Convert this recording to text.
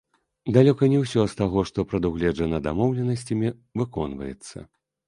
Далёка не ўсё з таго, што прадугледжана дамоўленасцямі, выконваецца.